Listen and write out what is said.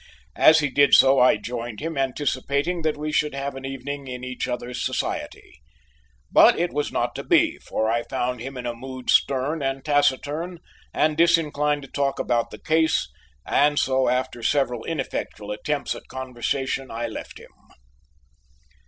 As he did so I joined him, anticipating that we should have an evening in each other's society; but it was not to be, for I found him in a mood stern and taciturn and disinclined to talk about the case, and so after several ineffectual attempts at conversation I left him.